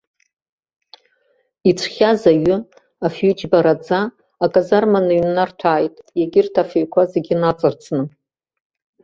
Иҵәхьаз аҩы, афҩы џьбараӡа, аказарма ныҩннарҭәааит, егьырҭ афҩқәа зегьы наҵарӡны.